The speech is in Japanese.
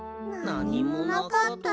なにもなかった。